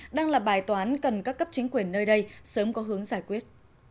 đang là bài toán cần các cấp chính quyền nơi đây sớm có hướng giải quyết